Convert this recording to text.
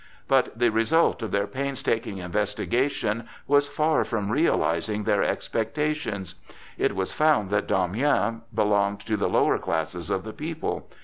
But the result of their painstaking investigation was far from realizing their expectations. It was found that Damiens belonged to the lower classes of the people.